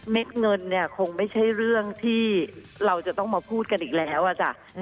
เงินเนี่ยคงไม่ใช่เรื่องที่เราจะต้องมาพูดกันอีกแล้วอ่ะจ้ะ